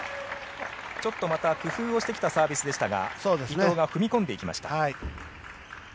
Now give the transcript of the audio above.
ちょっとまた工夫をしてきたサービスでしたが伊藤が踏み込んでいきました。